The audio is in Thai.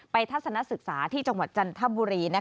ทัศนศึกษาที่จังหวัดจันทบุรี